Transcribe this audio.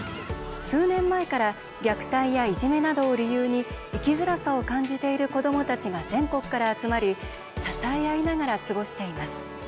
数年前から虐待やいじめなどを理由に生きづらさを感じている子どもたちが全国から集まり支え合いながら過ごしています。